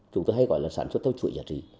chúng tôi hay gọi là sản xuất theo chuỗi giá trị